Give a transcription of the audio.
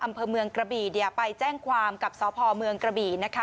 อำเภอเมืองกระบี่ไปแจ้งความกับสพเมืองกระบี่นะคะ